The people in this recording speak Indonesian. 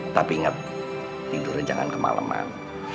tapi ingat tidurnya jangan kemaleman